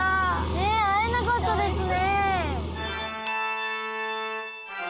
ねっ会えなかったですね。